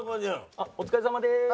あっお疲れさまです。